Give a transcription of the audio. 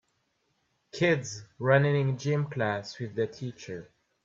Kids running in gym class with their teacher.